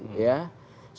soal geng mafia juga